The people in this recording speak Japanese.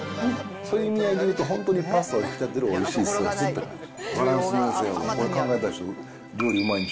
そういう意味合いでいうと、本当にパスタを引き立てるおいしいソースって感じ。